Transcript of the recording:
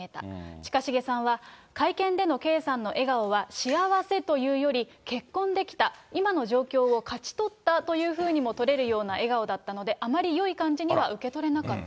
近重さんは、会見での圭さんの笑顔は、幸せというより、結婚できた、今の状況を勝ち取ったというふうにも取れるような笑顔だったので、あまりよい感じには受け取れなかった。